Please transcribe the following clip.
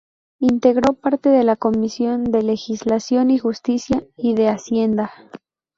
Integró parte de la Comisión de Legislación y Justicia, y de Hacienda.